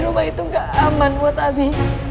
rumah itu gak aman buat abi